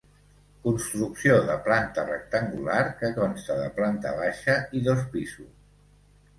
Construcció de planta rectangular que consta de planta baixa i dos pisos.